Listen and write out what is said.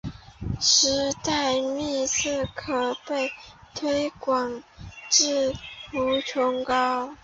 迭代幂次可被推广至无穷高。